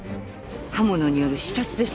刃物による刺殺です。